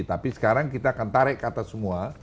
tapi sekarang kita akan tarik ke atas semua